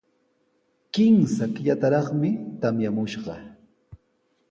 Kimsa killataraqmi tamyamushqa.